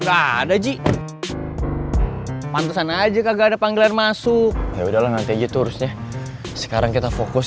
ada di pantasan aja kagak ada panggilan masuk ya udah nanti gitu harusnya sekarang kita fokus